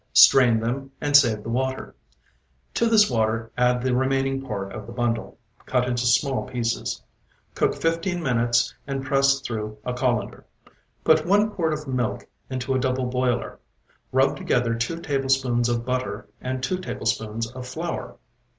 Strain them and save the water; to this water add the remaining part of the bundle, cut into small pieces. Cook fifteen minutes and press through a colander. Put one quart of milk into a double boiler; rub together two tablespoonfuls of butter and two tablespoonfuls of flour.